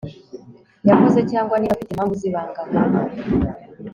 yakoze cyangwa niba afite impamvu zi banga, nka